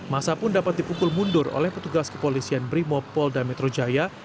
massa pun dapat dipukul mundur oleh petugas kepolisian brimopol dan metro jaya